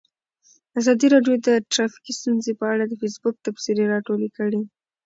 ازادي راډیو د ټرافیکي ستونزې په اړه د فیسبوک تبصرې راټولې کړي.